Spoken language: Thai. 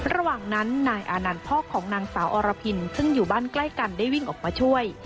ระหว่างนั้นนายอานันต์พ่อของนางสาวอรพินซึ่งอยู่บ้านใกล้กันได้วิ่งออกมาช่วย